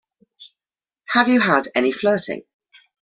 Have you had any flirting?